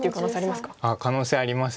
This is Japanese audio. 可能性あります。